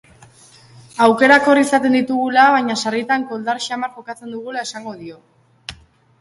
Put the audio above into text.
Aukerak hor izaten ditugula, baina sarritan koldar xamar jokatzen dugula esango dio.